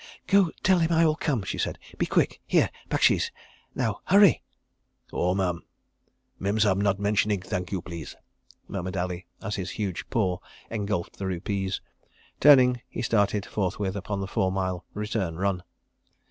"Go and tell him I will come," she said. "Be quick. Here—baksheesh. ... Now, hurry." "Oh, Mem! Mem Sahib not mentioning it, thank you please," murmured Ali as his huge paw engulfed the rupees. Turning, he started forthwith upon the four mile return run.